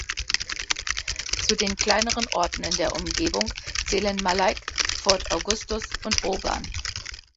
Zu den kleineren Orten in der Umgebung zählen Mallaig, Fort Augustus und Oban.